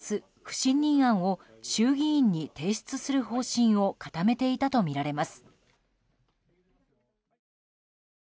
この時、すでに明日不信任案を衆議院に提出する方針を固めていたとみられます。